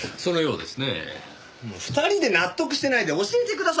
２人で納得してないで教えてくださいよ！